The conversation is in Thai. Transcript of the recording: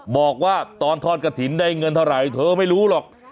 บอกว่าตอนทอดกระถิ่นได้เงินเท่าไหร่เธอไม่รู้หรอก